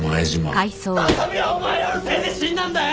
あさみはお前らのせいで死んだんだよ！